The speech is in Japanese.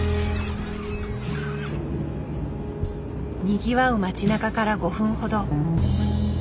にぎわう町なかから５分ほど。